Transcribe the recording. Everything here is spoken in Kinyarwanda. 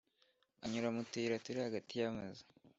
anyura mutuyira turi hagati yamazu,